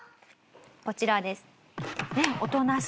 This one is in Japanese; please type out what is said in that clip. こちらです。